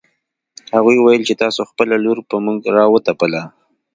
هغې ويل چې تاسو خپله لور په موږ راوتپله